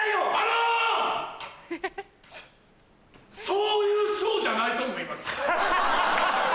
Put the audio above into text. そういうショーじゃないと思います。